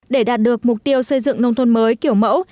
để đạt được mục tiêu xây dựng nông thôn mới kiểu mẫu